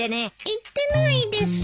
言ってないです。